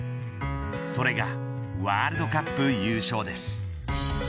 それがワールドカップ優勝です。